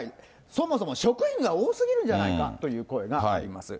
そもそも職員が多すぎるんじゃないかという声があります。